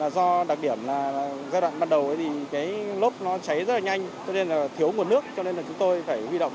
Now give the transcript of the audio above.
do đặc điểm giai đoạn ban đầu lốt cháy rất nhanh thiếu nguồn nước cho nên chúng tôi phải vi động